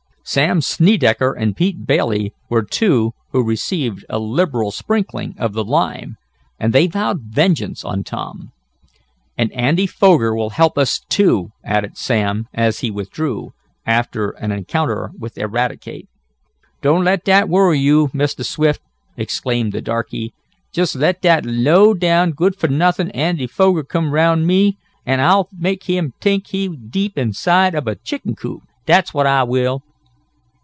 Sam Snedecker and Pete Bailey were two who received a liberal sprinkling of the lime, and they vowed vengeance on Tom. "And Andy Foger will help us, too," added Sam, as he withdrew, after an encounter with Eradicate. "Doan't let dat worry yo', Mistah Swift!" exclaimed the darkey. "Jest let dat low down good fo nuffin' Andy Foger come 'round me, an' Ah'll make him t'ink he's de inside ob a chicken coop, dat's what Ah will."